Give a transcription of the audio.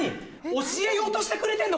教えようとしてくれてんの？